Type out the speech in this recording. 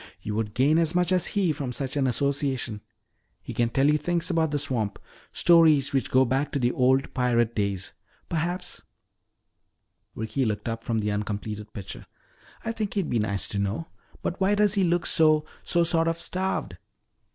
You would gain as much as he from such an association. He can tell you things about the swamp stories which go back to the old pirate days. Perhaps " Ricky looked up from the uncompleted picture. "I think he'd be nice to know. But why does he look so so sort of starved?"